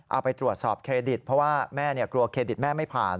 เอาไปตรวจสอบเครดิตเพราะว่าแม่กลัวเครดิตแม่ไม่ผ่าน